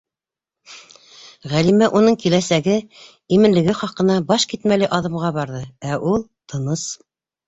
Ғәлимә уның киләсәге, именлеге хаҡына баш китмәле аҙымға барҙы - ә ул тыныс.